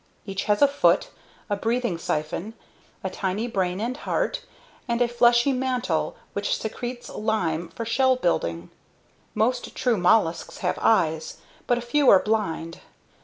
Each has a foot, a breathing siphon, a tiny brain and heart, and a fleshy mantle which secretes lime for shell building. Most true mollusks have eyes, but a few are blind.